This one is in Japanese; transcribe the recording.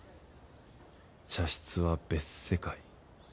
茶室は別世界。